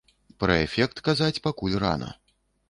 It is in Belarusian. Пра эфект казаць пакуль рана.